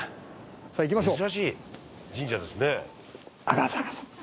さあ行きましょう。